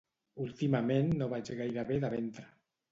Últimament no vaig gaire bé de ventre